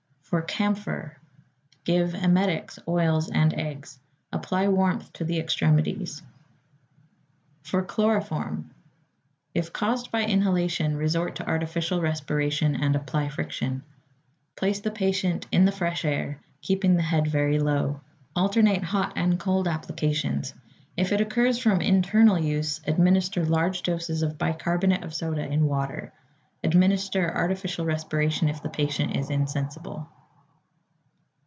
=For Camphor.= Give emetics, oils, and eggs. Apply warmth to the extremities. =For Chloroform.= If caused by inhalation, resort to artificial respiration and apply friction. Place the patient in the fresh air, keeping the head very low. Alternate hot and cold applications. If it occurs from internal use, administer large doses of bicarbonate of soda in water. Administer artificial respiration if the patient is insensible.